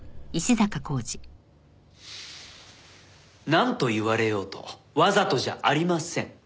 なんと言われようとわざとじゃありません。